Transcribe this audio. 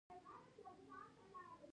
دا د پلانونو په تطبیق کې لارښوونې کوي.